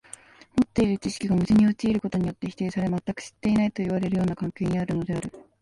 持っている知識が矛盾に陥ることによって否定され、全く知っていないといわれるような関係にあるのである。